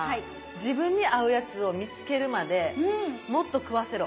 自分に合うやつを見つけるまでもっと食わせろ！